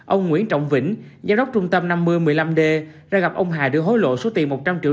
hai nghìn hai mươi một ông nguyễn trọng vĩnh giám đốc trung tâm năm mươi một mươi năm d ra gặp ông hà đưa hối lộ số tiền một trăm linh triệu